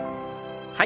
はい。